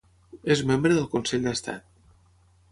És membre del Consell d'Estat.